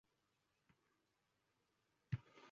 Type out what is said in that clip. Eshitgan quloqqa ham g‘alati.